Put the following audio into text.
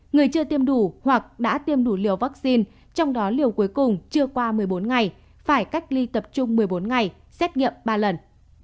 người chưa tiêm đủ hoặc đã tiêm đủ liều vaccine trong đó liều cuối cùng chưa qua một mươi bốn ngày phải cách ly tập trung một mươi bốn ngày xét nghiệm ba lần